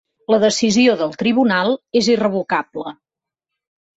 La decisió del tribunal és irrevocable.